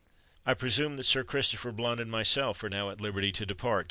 "I presume that Sir Christopher Blunt and myself are now at liberty to depart?"